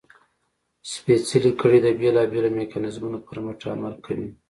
سپېڅلې کړۍ د بېلابېلو میکانیزمونو پر مټ عمل کوي.